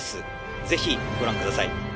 是非ご覧ください。